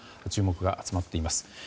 注目が集まっています。